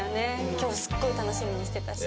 今日すごい楽しみにしてたし。